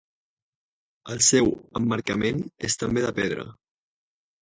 El seu emmarcament és també de pedra.